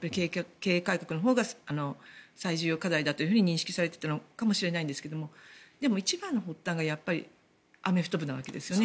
経営改革のほうが最重要課題だと認識されていたのかもしれませんが、一番の発端はアメフト部なわけですよね。